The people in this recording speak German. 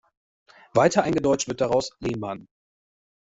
Weiter eingedeutscht wird daraus "Lehmann".